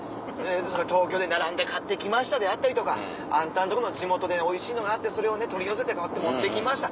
東京で並んで買ってきましたであったりとかあんたんとこの地元でおいしいのがあってそれを取り寄せて持ってきました